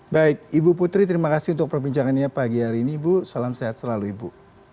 baik ibu putri terima kasih untuk perbincangannya pagi hari ini ibu salam sehat selalu ibu